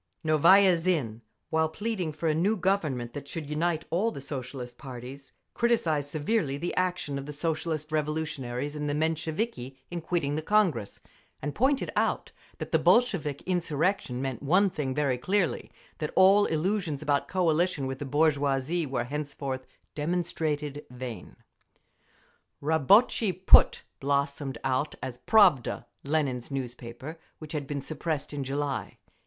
Novaya Zhizn, while pleading for a new Government that should unite all the Socialist parties, criticised severely the action of the Socialist Revolutionaries and the Mensheviki in quitting the Congress, and pointed out that the Bolshevik insurrection meant one thing very clearly: that all illusions about coalition with the bourgeoisie were henceforth demonstrated vain… Rabotchi Put blossomed out as Pravda, Lenin's newspaper which had been suppressed in July.